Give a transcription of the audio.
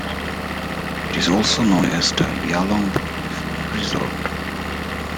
It is also known as the Yalong Bay National Resort.